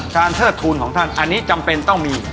เทิดทูลของท่านอันนี้จำเป็นต้องมี